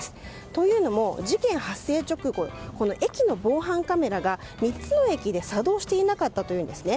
というのも、事件発生直後駅の防犯カメラが３つの駅で作動していなかったといいます。